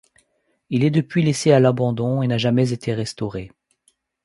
Il est depuis laissé à l'abandon et n’a jamais été restauré.